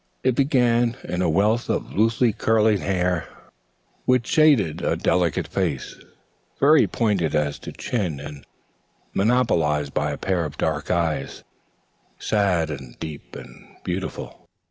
It began in a wealth of loosely curling hair which shaded a delicate face, very pointed as to chin and monopolized by a pair of dark eyes, sad and deep and beautiful.